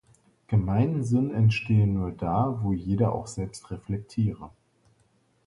Gemeinsinn entstehe nur da, wo jeder auch selbst reflektiere.